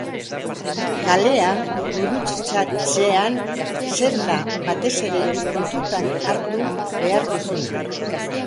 Kalea gurutzatzean, zer da batez ere kontutan hartu behar duzuna?